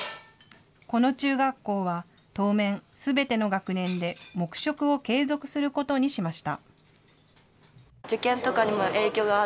この中学校は当面、すべての学年で、黙食を継続することにしました。